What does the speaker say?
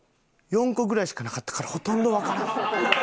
４個ぐらいしかなかったからほとんどわからん。